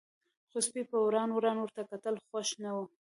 خو سپي په وران وران ورته کتل، خوښ نه و.